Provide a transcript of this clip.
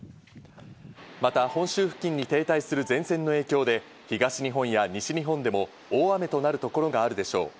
また本州付近に停滞する前線の影響で東日本や西日本でも大雨となるところがあるでしょう。